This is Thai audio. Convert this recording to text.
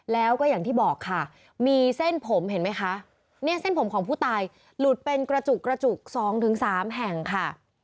แล้วก็อย่างที่บอกค่ะมีเส้นผมเห็นไหมคะเนี่ยเส้นผมของผู้ตายหลุดเป็นกระจุกกระจุก๒๓แห่งค่ะ